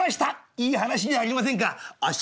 いい話じゃありませんか。